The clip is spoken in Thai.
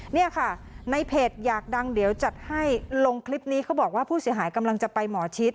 เนี่ยค่ะในเพจอยากดังเดี๋ยวจัดให้ลงคลิปนี้เขาบอกว่าผู้เสียหายกำลังจะไปหมอชิด